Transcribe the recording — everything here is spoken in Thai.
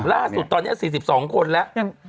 ล่าสุดตอนนี้๔๒คนแล้ว